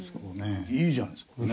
いいじゃないですかね。